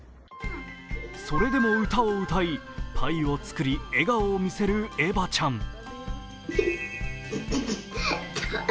それでも歌を歌いパイを作り笑顔を見せるエバちゃん。